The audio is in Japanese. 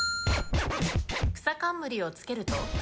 くさかんむりをつけると？